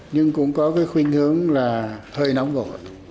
nhưng cũng có cái khuyênh hướng là hơi nóng vội